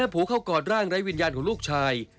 โผล่เข้ากอดร่างไร้วิญญาณของลูกชาย